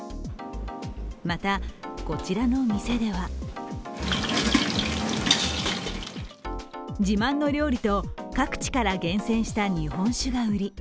また、こちらの店では自慢の料理と各地から厳選した日本酒が売り。